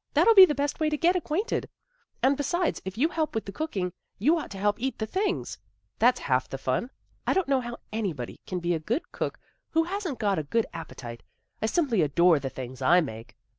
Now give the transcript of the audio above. " That'll be the best way to get acquainted. And, besides, if you help with the cooking, you ought to help eat the things. That's half the fun. I don't know how anybody can be a good cook who hasn't got a good appetite. I simply adore the things I make."